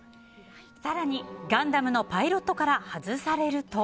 更に、ガンダムのパイロットから外されると。